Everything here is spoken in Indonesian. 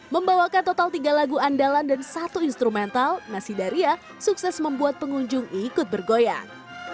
membawakan total tiga lagu andalan dan satu instrumental nasidaria sukses membuat pengunjung ikut bergoyang